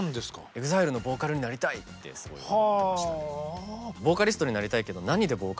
ＥＸＩＬＥのボーカルになりたいってすごい思ってました。